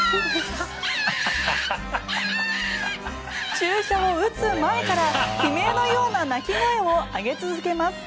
注射を打つ前から悲鳴のような鳴き声を上げ続けます。